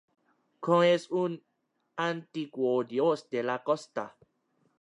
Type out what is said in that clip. Kon es un antiguo dios de la costa.